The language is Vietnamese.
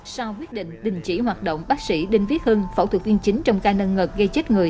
sau quyết định đình chỉ hoạt động bác sĩ đinh viết hưng phẫu thuật viên chính trong ca nâng ngực gây chết người